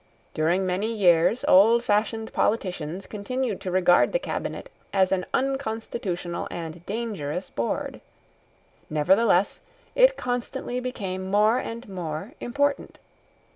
During many years old fashioned politicians continued to regard the Cabinet as an unconstitutional and dangerous board. Nevertheless, it constantly became more and more important.